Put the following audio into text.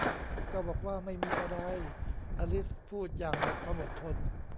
ก็บอกว่าไม่มีอะไร ! อลิสพูดอย่างหมดความอดทน